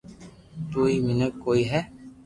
تو سھي مينک ڪوئي ھي